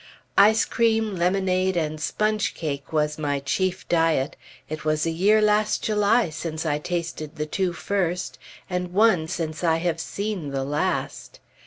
Ice cream, lemonade, and sponge cake was my chief diet; it was a year last July since I tasted the two first, and one since I have seen the last.